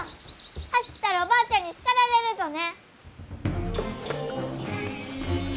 走ったらおばあちゃんに叱られるぞね！